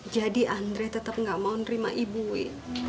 jadi andre tetap gak mau nerima ibu wi